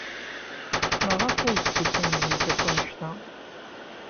Maɣef ay d-tusam zik akk anect-a?